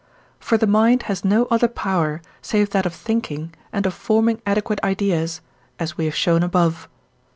For the mind has no other power save that of thinking and of forming adequate ideas, as we have shown above (III.